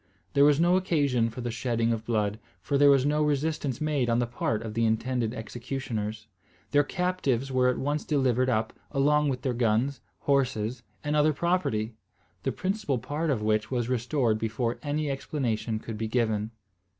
There was no occasion for the shedding of blood, for there was no resistance made on the part of the intended executioners. Their captives were at once delivered up along with their guns, horses, and other property, the principal part of which was restored before any explanation could be given.